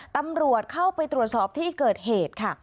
ตำรวจเข้าไปตรวจสอบที่เกิดเหตุค่ะ